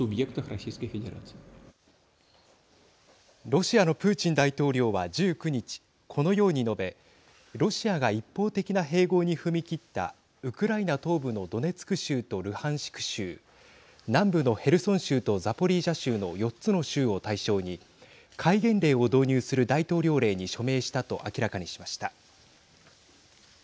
ロシアのプーチン大統領は１９日このように述べロシアが一方的な併合に踏み切ったウクライナ東部のドネツク州とルハンシク州南部のヘルソン州とザポリージャ州の４つの州を対象に戒厳令を導入する大統領令に署名したと明らかにしました。